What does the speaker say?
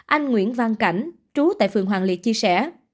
anh nguyễn văn cảnh trú tại phường hoàng liệt chia sẻ